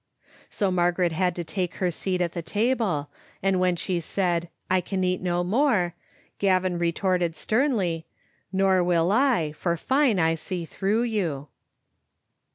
So Margaret had to take her seat at the table, and when she said "I can eat no more," Gavin retorted sternly, " Nor will I, for fine I see through you."